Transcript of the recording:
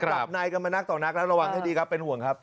หลับในกันมานักต่อนักแล้วระวังให้ดีครับเป็นห่วงครับ